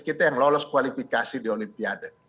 kita yang lolos kualifikasi di olimpiade